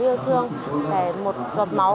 yêu thương để một giọt máu